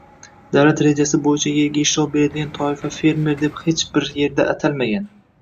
— davlat rejasi bo‘yicha yerga ishlov beradigan toifa «fermer» deb hech bir yerda atalmaydi.